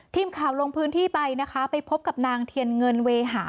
ทีมข่าวลงพื้นที่ไปนะคะไปพบกับนางเทียนเงินเวหา